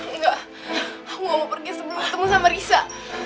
engga aku gak mau pergi sebelum ketemu sama risa